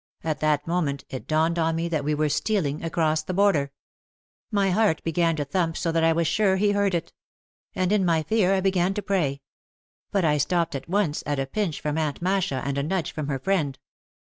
At that moment it dawned on me that we were stealing across the border. My heart began to thump so that I was sure he heard it. And in my fear I began to pray. But I stopped at once, at a pinch from Aunt Masha and a nudge from her friend.